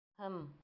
Һм.